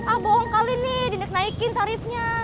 ah bohong kali nih dinaik naikin tarifnya